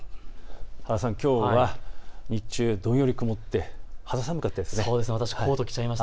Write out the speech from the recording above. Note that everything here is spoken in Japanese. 原さん、きょうは日中、どんより曇って肌寒かったですね。